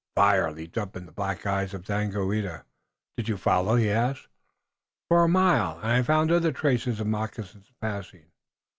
Fire leaped up in the black eyes of Daganoweda. "Did you follow?" he asked. "For a mile, and I found other traces of moccasins passing.